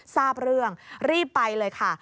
ทราบเรื่องรีบไปเลยค่ะ